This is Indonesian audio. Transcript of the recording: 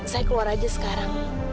saya keluar aja sekarang